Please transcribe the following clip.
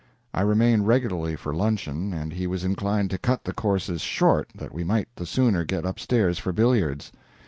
I remained regularly for luncheon, and he was inclined to cut the courses short that we might the sooner get up stairs for billiards.